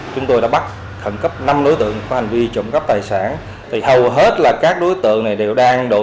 chúng tôi đã bắt khẩn cấp năm đối tượng có hành vi trộm cắp tài sản